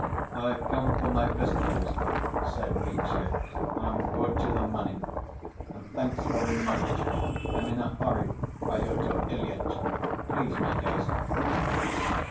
"I've come for my pistols," said Mitya, "and brought you the money. And thanks very much. I'm in a hurry, Pyotr Ilyitch, please make haste."